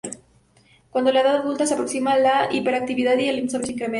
Cuando la edad adulta se aproxima, la hiperactividad y el insomnio se incrementan.